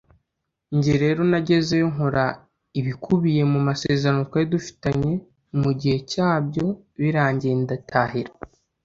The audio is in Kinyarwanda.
njye rero nagezeyo nkora ibikubiye mu masezerano twari dufitanye mu gihe cyabyo birangiye nditahira